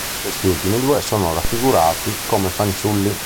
Questi ultimi due sono raffigurati come fanciulli.